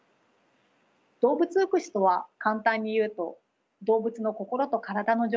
動物福祉とは簡単に言うと動物の心と体の状態を指します。